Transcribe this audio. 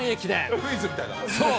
クイズみたいだ。